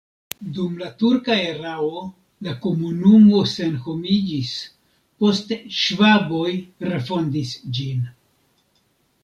Dum la turka erao la komunumo senhomiĝis, poste ŝvaboj refondis ĝin.